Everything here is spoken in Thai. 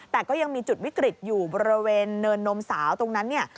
แต่ก็ยังมีจุดวิกฤตอยู่บริเวณเนินนมสาวตรงนั้นเนี่ย